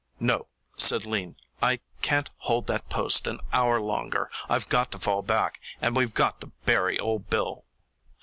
"No," said Lean. "I can't hold that post an hour longer. I've got to fall back, and we've got to bury old Bill."